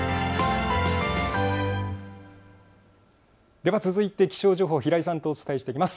では続いて気象情報、平井さんとお伝えしていきます。